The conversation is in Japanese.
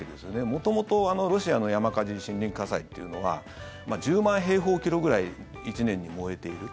元々、ロシアの山火事森林火災というのは１０万平方キロぐらい１年で燃えている。